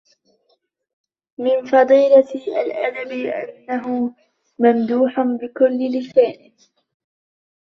مِنْ فَضِيلَةِ الْأَدَبِ أَنَّهُ مَمْدُوحٌ بِكُلِّ لِسَانٍ